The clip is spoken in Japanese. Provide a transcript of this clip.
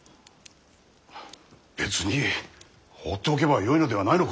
別に放っておけばよいのではないのか。